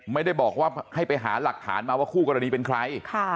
ไม่ได้บอกว่าให้ไปหาหลักฐานมาว่าคู่กรณีเป็นใคร